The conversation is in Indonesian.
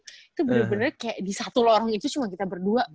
itu bener bener kayak di satu lorong itu cuma kita berdua